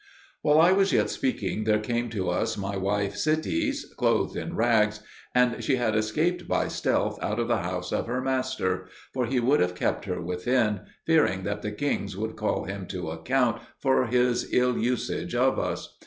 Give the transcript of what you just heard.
While I was yet speaking, there came to us my wife Sitis, clothed in rags, and she had escaped by stealth out of the house of her master; for he would have kept her within, fearing that the kings would call him to account for his ill usage of us.